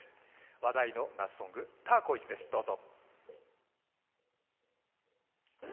話題の夏ソング「ターコイズ」です、どうぞ。